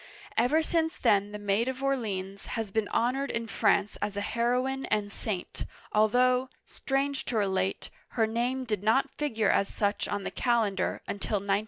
Ever since then the Maid of Orleans has been honored in France as a heroine and saint, although, strange to relate, her name did not figure as such on the calendar until 1909.